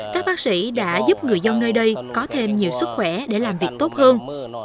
các bác sĩ đã giúp người dân nơi đây có thêm nhiều sức khỏe để làm việc tốt hơn